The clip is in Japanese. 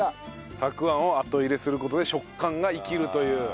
たくあんを後入れする事で食感が生きるという。